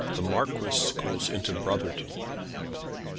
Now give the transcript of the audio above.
THE MARQUIS GOES INTO BROTHERTON.